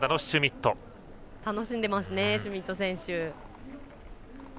シュミット選手。